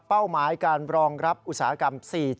หมายการรองรับอุตสาหกรรม๔๐